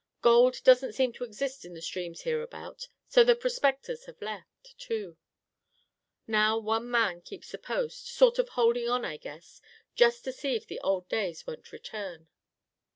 Gold doesn't seem to exist in the streams hereabouts, so the prospectors have left, too. Now one man keeps the post; sort of holding on, I guess, just to see if the old days won't return."